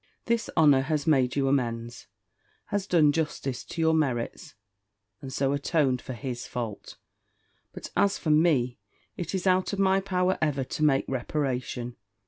"His honour has made you amends, has done justice to your merits, and so atoned for his fault. But as for me, it is out of my power ever to make reparation.